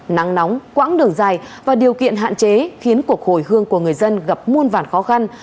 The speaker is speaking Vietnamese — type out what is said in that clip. nắng nóng quãng đường dài và điều kiện hạn chế khiến cuộc hồi hương của người dân gặp muôn vản khó khăn